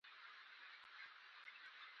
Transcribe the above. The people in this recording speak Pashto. کله چې رخصتیو کې کور ته لاړ شي.